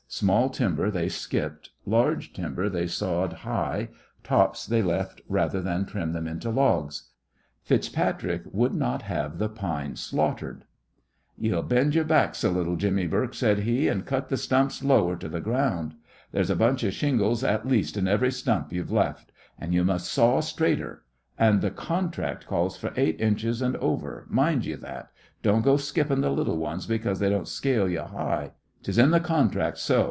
Small timber they skipped, large timber they sawed high, tops they left rather than trim them into logs. FitzPatrick would not have the pine "slaughtered." "Ye'll bend your backs a little, Jimmy Bourke," said he, "and cut th' stumps lower to th' ground. There's a bunch of shingles at least in every stump ye've left. And you must saw straighter. And th' contract calls for eight inches and over; mind ye that. Don't go to skippin' th' little ones because they won't scale ye high. 'Tis in the contract so.